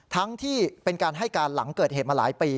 ทั้งที่เป็นการให้การหลังเกิดเหตุมาหลายปี